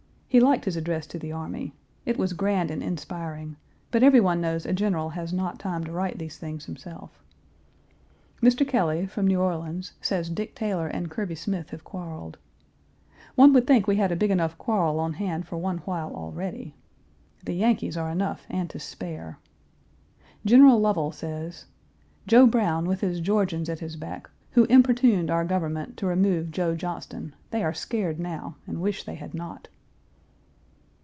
He liked his address to his army. It was grand and inspiring, but every one knows a general has not time to write these things himself. Mr. Kelly, from New Orleans, Page 317 says Dick Taylor and Kirby Smith have quarreled. One would think we had a big enough quarrel on hand for one while already. The Yankees are enough and to spare. General Lovell says, "Joe Brown, with his Georgians at his back, who importuned our government to remove Joe Johnston, they are scared now, and wish they had not."